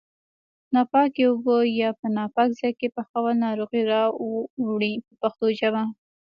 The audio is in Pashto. ناپاکې اوبه یا په ناپاک ځای کې پخول ناروغۍ راوړي په پښتو ژبه.